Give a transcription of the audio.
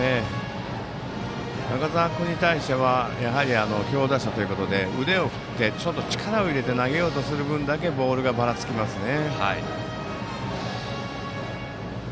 中澤君に対してはやはり強打者ということで腕を振って力を入れて投げようとする分だけボールがばらつきますね。